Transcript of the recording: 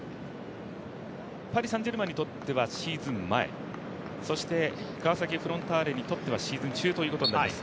パリ・サン＝ジェルマンにとってはシーズン前、そして川崎フロンターレにとってはシーズン中ということになります。